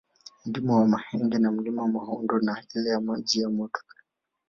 Milima ya Mahenge na Mlima Mahondo na ile ya Maji Moto